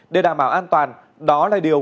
để đảm bảo an toàn đó là điều